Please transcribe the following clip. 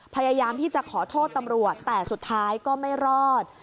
พยายามที่จะขอโทษตำรวจแต่สุดท้ายก็ไม่รอด